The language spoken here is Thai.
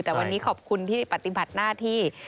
แต่วันนี้ขอบคุณที่ปฏิบัติหน้าที่